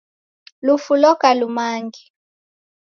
Lufu loka lumange